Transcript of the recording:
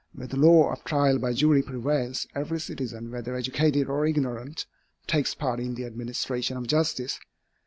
Where the law of trial by jury prevails, every citizen, whether educated or ignorant, takes part in the administration of justice.